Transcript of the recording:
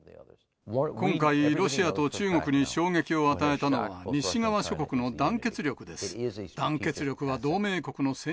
今回、ロシアと中国に衝撃を与えたのは、西側諸国の団結力です。